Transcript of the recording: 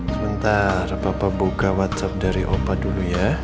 sebentar bapak buka whatsapp dari opa dulu ya